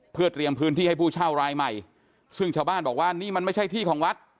เพื่อเตรียมพื้นที่ให้ผู้เช่ารายใหม่ซึ่งชาวบ้านบอกว่านี่มันไม่ใช่ที่ของวัด